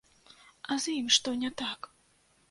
А з ім што не так?